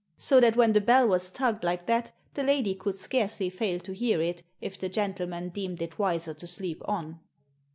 So that when the bell was tugged like that the lady could scarcely fail to hear it, if the gentleman deemed it wiser to sleep on.